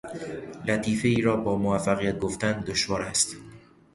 لطیفهای را با موفقیت گفتن دشوار است.